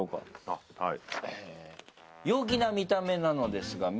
あっはい。